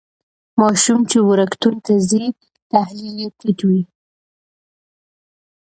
ماشوم چې وړکتون ته ځي تحلیل یې ټیټ وي.